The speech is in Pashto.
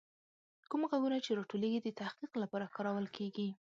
کوم غږونه چې راټولیږي، د تحقیق لپاره کارول کیږي.